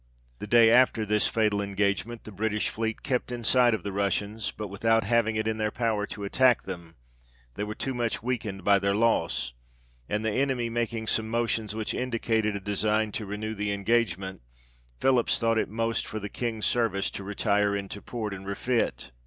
The day after this fatal engagement the British fleet kept in sight of the Russians, but without having it in their power to attack them ; they were too much weakened by their loss ; and the enemy making some motions which indicated a design to renew the engage ment, Philips thought it most for the King's service to retire into port and refit.